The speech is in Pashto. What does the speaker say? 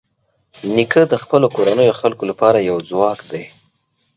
نیکه د خپلو کورنیو خلکو لپاره یو ځواک دی.